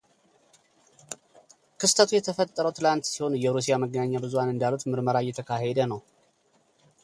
ክስተቱ የተፈጠረው ትላንት ሲሆን የሩሲያ መገናኛ ብዙኃን እንዳሉት ምርመራ እየተካሄደ ነው።